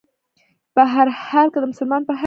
بهرحال کۀ د مسلمان پۀ حېث